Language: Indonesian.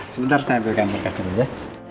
sebentar saya ambilkan perkasihnya ya